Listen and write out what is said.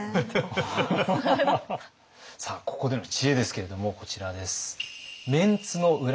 さあここでの知恵ですけれどもこちらです。